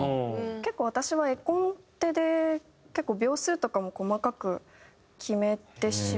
結構私は絵コンテで結構秒数とかも細かく決めてしまう。